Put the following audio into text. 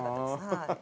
はい。